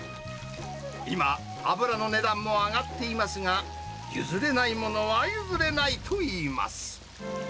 今、油の値段も上がっていますが、譲れないものは譲れないといいます。